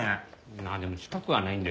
ああでも近くはないんですよ。